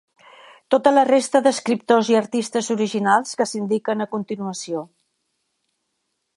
Tota la resta d'escriptors i artistes originals que s'indiquen a continuació.